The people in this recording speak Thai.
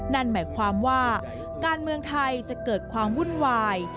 นั่นหมายความว่าการเมืองไทยจะเกิดความวุ่นวาย